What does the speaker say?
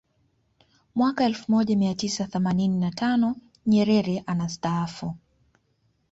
Mwaka elfu moja mia tisa themanini na tano Nyerere anastaafu